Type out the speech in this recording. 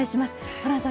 ホランさん